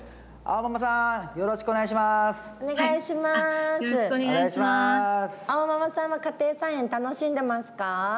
あおママさんは家庭菜園楽しんでますか？